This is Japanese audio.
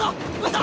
嘘！